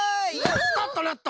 スタッとなっと！